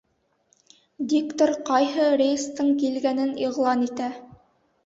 Диктор ҡайһы рейстың килгәнен иғлан итә.